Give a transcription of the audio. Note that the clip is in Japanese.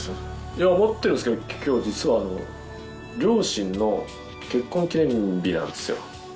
いや持ってるんですけど今日実はあの両親の結婚記念日なんですよ